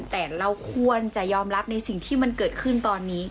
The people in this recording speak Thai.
แต่เราควรจะยอมรับในสิ่งที่มันเกิดขึ้นตอนนี้